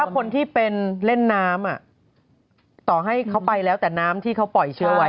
คนที่เป็นเล่นน้ำต่อให้เขาไปแล้วแต่น้ำที่เขาปล่อยเชื้อไว้